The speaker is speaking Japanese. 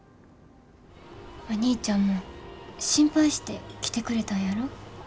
お兄ちゃんも心配して来てくれたんやろ？